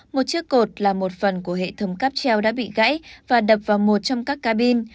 một chiếc cột là một phần của hệ thống cắp treo đã bị gãy và đập vào một trong các cabin